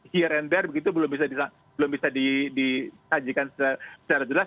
here and there begitu belum bisa ditajikan secara jelas